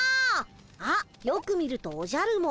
あっよく見るとおじゃるも。